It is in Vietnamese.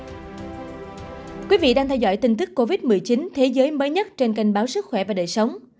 thưa quý vị đang theo dõi tin tức covid một mươi chín thế giới mới nhất trên kênh báo sức khỏe và đời sống